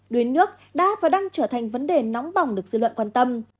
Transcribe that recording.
đuối nước đã và đang trở thành vấn đề nóng bỏng được dư luận quan tâm